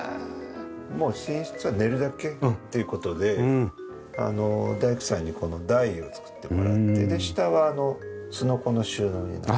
もう寝室は寝るだけっていう事で大工さんにこの台を作ってもらって下はすのこの収納になってて。